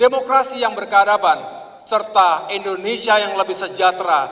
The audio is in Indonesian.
demokrasi yang berkeadaban serta indonesia yang lebih sejahtera